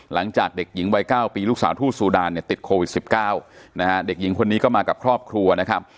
หลังจากเด็กหญิงวัย๙ปีลูกสาวทูตซูดานเนี่ยติดโควิด๑๙นะฮะเด็กหญิงคนนี้ก็มากับครอบครัวนะครับ